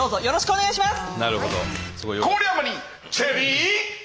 お願いします。